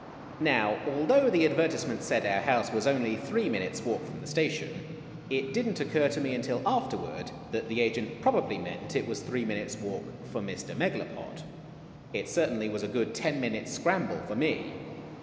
Now, although the advertisement said our house was only three minutes' walk from the station, it did n't occur to me until afterward that the agent probably meant it was three minutes' walk for Mr. Megalopod. It certainly was a good ten minutes' scramble for me.